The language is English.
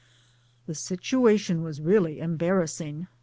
The situation was really embarrassing.